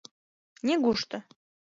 — Нигушто.